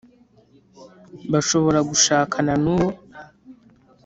bashobora gushakana n uwo